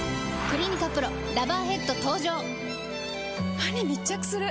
歯に密着する！